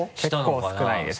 結構少ないですね。